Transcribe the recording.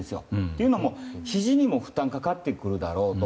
というのも、ひじにも負担がかかってくるだろうと。